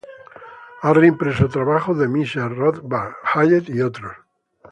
Ha reimpreso trabajos de Mises, Rothbard, Hayek y otros.